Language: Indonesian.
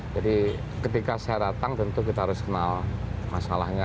jadi ketika saya datang tentu kita harus kenal masalahnya